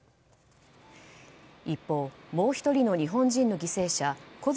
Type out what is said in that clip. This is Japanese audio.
一方、もう１人の日本人の犠牲者小槌